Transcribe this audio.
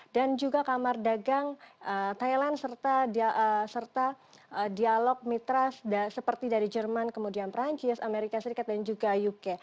dan juga kamar dagang thailand serta dialog mitra seperti dari jerman kemudian perancis amerika serikat dan juga uk